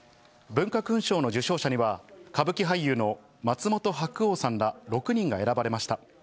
文化勲章の受章者には歌舞伎俳優の松本白鸚さんら６人が選ばれました。